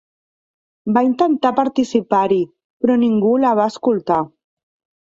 Va intentar participar-hi, però ningú la va escoltar.